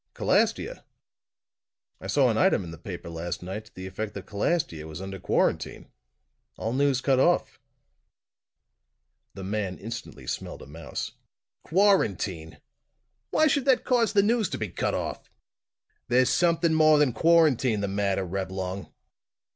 "Calastia? I saw an item in the paper last night, to the effect that Calastia was under quarantine. All news cut off." The man instantly smelled a mouse. "Quarantine! Why should that cause the news to be cut off? There's something more than quarantine the matter, Reblong!"